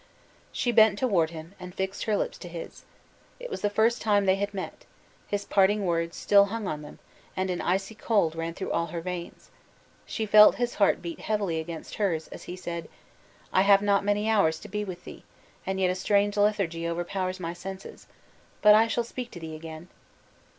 She bent toward him, and fixed her lips to his. It was the first time they had met; his parting words still hung on them, and an icy cold ran through all her veins. She felt his heart beat heavily against hers, as he said: "I have not many hours to be with thee, and yet a strange lethargy overpowers my senses; but I shall speak to thee again!"